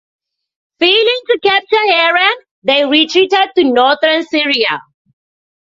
Failing to capture Harran, they retreated to northern Syria.